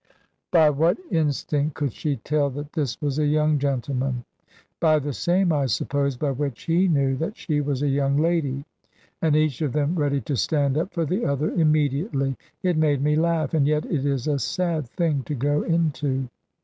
By what instinct could she tell that this was a young gentleman? By the same, I suppose, by which he knew that she was a young lady. And each of them ready to stand up for the other immediately! It made me laugh: and yet it is a sad thing to go into.